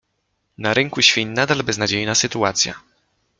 Na rynku świń nadal beznadziejna sytuacja.